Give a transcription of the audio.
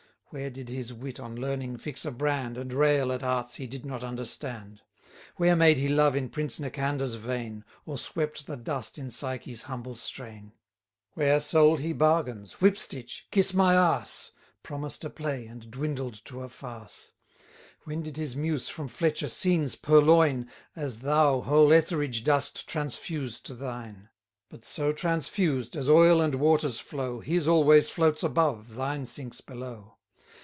Where did his wit on learning fix a brand, And rail at arts he did not understand? Where made he love in prince Nicander's vein, Or swept the dust in Psyche's humble strain? 180 Where sold he bargains, whip stitch, kiss my a e, Promised a play, and dwindled to a farce? When did his muse from Fletcher scenes purloin, As thou whole Etheridge dost transfuse to thine? But so transfused, as oil and waters flow, His always floats above, thine sinks below.